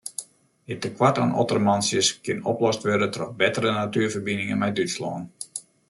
It tekoart oan ottermantsjes kin oplost wurde troch bettere natuerferbiningen mei Dútslân.